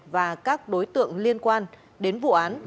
và các đối tượng liên quan đến vụ án